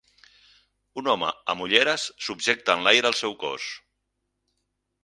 Un home amb ulleres subjecte enlaire el seu gos.